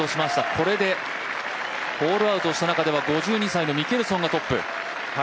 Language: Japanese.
これでホールアウトした中では５２歳のミケルソンがトップ。